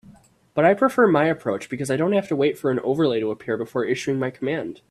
But I prefer my approach because I don't have to wait for an overlay to appear before issuing my command.